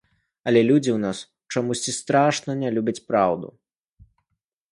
Але людзі ў нас чамусьці страшна не любяць праўду.